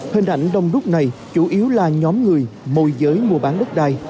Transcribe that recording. hình ảnh đông đúc này chủ yếu là nhóm người môi giới mua bán đất đai